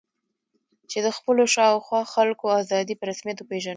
چې د خپلو شا او خوا خلکو آزادي په رسمیت وپېژنم.